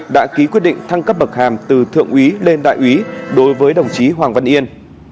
đã ký quyết định thăng cấp bậc hàm từ thượng úy lên đại úy đối với đồng chí hoàng văn yên